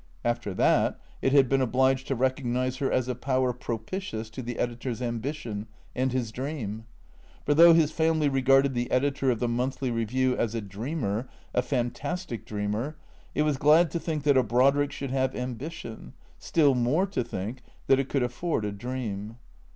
After that it had been obliged to recognize her as a power propitious to the editor's ambition and his dream. For though his family regarded the editor of the " Monthly Review " as a dreamer, a fantastic dreamer, it was glad to think that a Brodrick should have ambition, still more to think that it could afford a dream.